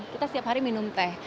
kita setiap hari minum teh